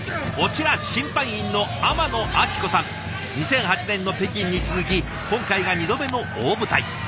２００８年の北京に続き今回が２度目の大舞台。